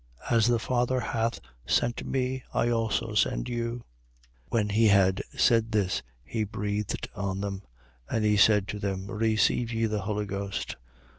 As the Father hath sent me, I also send you. 20:22. When he had said this, he breathed on them; and he said to them: Receive ye the Holy Ghost.